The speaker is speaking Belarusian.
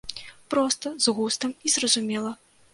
Проста, з густам і зразумела.